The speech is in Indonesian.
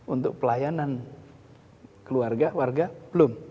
untuk pelayanan keluarga warga belum